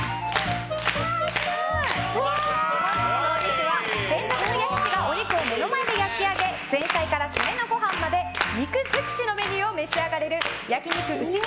本日のお肉は専属の方がお肉を焼き上げ前菜から締めのご飯まで肉尽くしのメニューを召し上がれる焼肉牛印